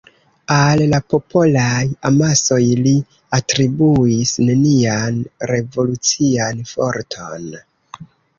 Al la popolaj amasoj li atribuis nenian revolucian forton.